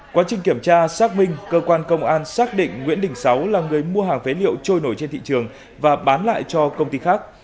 quá trình kiểm tra xác minh cơ quan công an xác định nguyễn đình sáu là người mua hàng phế liệu trôi nổi trên thị trường và bán lại cho công ty khác